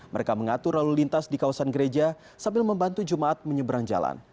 mereka mengatur lalu lintas di kawasan gereja sambil membantu jemaat menyeberang jalan